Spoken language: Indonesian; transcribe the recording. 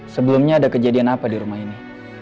sebelumnya ada kejadian apa di rumah ini